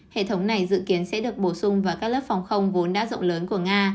hệ thống này dự kiến sẽ được bổ sung vào các lớp phòng không vốn đã rộng lớn của nga